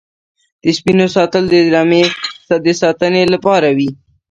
د سپیو ساتل د رمې د ساتنې لپاره وي.